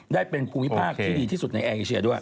ได้เป็นภูมิภาคที่ดีที่สุดในแอร์เอเชียด้วย